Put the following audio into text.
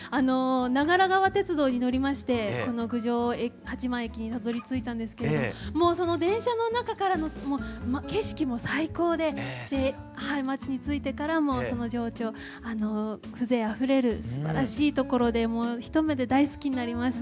長良川鉄道に乗りましてこの郡上八幡駅にたどりついたんですけれどもその電車の中からの景色も最高で町に着いてからも情緒風情あふれるすばらしい所で一目で大好きになりました。